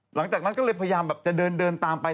หลังจากนั้นก็เลยพยายามแบบจะเดินตามไป